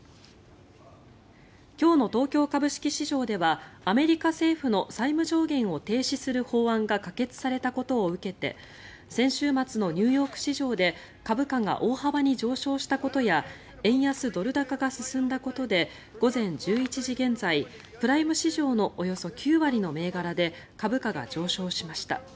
今日の東京株式市場ではアメリカ政府の債務上限を停止する法案が可決されたことを受けて先週末のニューヨーク市場で株価が大幅に上昇したことや円安・ドル高が進んだことで午前１１時現在プライム市場のおよそ９割の銘柄で株価が上昇しました。